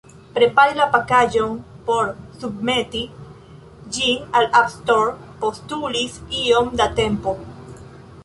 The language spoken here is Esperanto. Prepari la pakaĵon por submeti ĝin al App Store postulis iom da tempo.